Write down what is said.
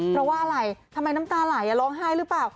เพราะว่าอะไรทำไมน้ำตาไหลร้องไห้หรือเปล่า